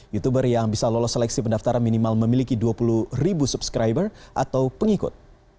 youtuber yang bisa lolos seleksi pendaftaran minimal memiliki dua puluh ribu subscriber atau pengikut